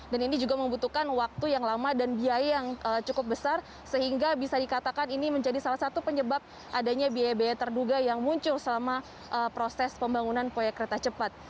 dan ini juga membutuhkan waktu yang lama dan biaya yang cukup besar sehingga bisa dikatakan ini menjadi salah satu penyebab adanya biaya biaya terduga yang muncul selama proses pembangunan proyek kereta cepat